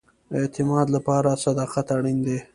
د اعتماد لپاره صداقت اړین دی